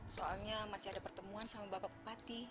soalnya masih ada pertemuan sama bapak bupati